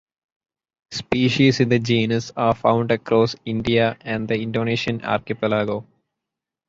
Species in the genus are found across India and the Indonesian archipelago.